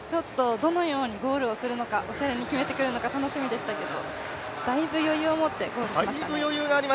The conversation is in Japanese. どのようにゴールするのかおしゃれに決めてくるのか楽しみでしたけども、だいぶ余裕を持ってゴールをしましたね。